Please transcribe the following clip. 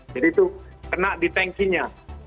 jadi itu kena di tankinya